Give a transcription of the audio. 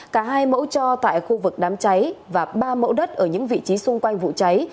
cả hai mẫu cho tại khu vực đám cháy và ba mẫu đất ở những vị trí xung quanh vụ cháy